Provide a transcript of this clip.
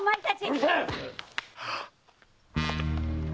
うるせえっ！